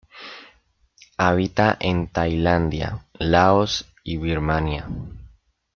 Habita en Tailandia, Laos y Birmania.